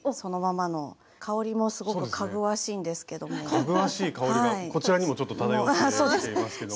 かぐわしい香りがこちらにもちょっと漂ってきていますけども。